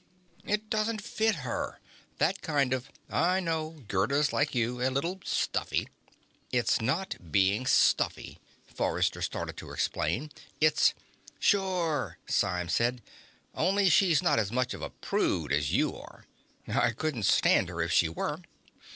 "It doesn't fit her. That kind of " "I know. Gerda's like you. A little stuffy." "It's not being stuffy," Forrester started to explain. "It's " "Sure," Symes said. "Only she's not as much of a prude as you are. I couldn't stand her if she were."